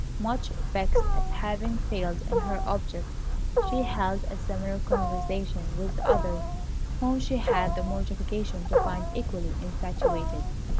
Much vexed at having failed in her object, she held a similar conversation with the others, whom she had the mortification to find equally infatuated.